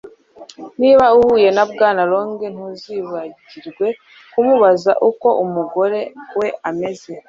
Niba uhuye na Bwana Long ntuzibagirwe kumubaza uko umugore we ameze